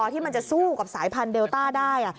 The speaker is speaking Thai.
ที่มันจะสู้กับสายพันธุเดลต้าได้